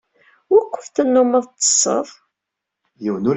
Wukud tennummeḍ tsetteḍ?